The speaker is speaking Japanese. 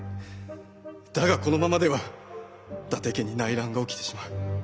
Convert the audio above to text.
だがこのままでは伊達家に内乱が起きてしまう。